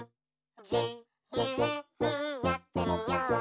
「じゆうにやってみよう」